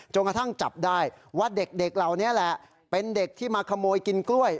กระทั่งจับได้ว่าเด็กเหล่านี้แหละเป็นเด็กที่มาขโมยกินกล้วย